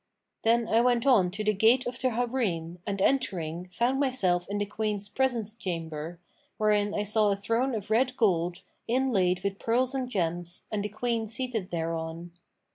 Then I went on to the gate of the Harim and entering, found myself in the Queen's presence chamber, wherein I saw a throne of red gold, inlaid with pearls and gems, and the Queen seated thereon.